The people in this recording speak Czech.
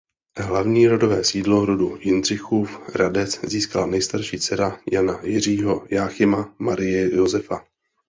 Hlavní rodové sídlo rodu Jindřichův Hradec získala nejstarší dcera Jana Jiřího Jáchyma Marie Josefa.